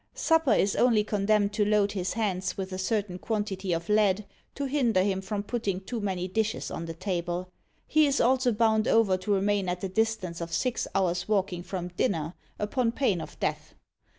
Supper is only condemned to load his hands with a certain quantity of lead, to hinder him from putting too many dishes on table: he is also bound over to remain at the distance of six hours' walking from Dinner upon pain of death.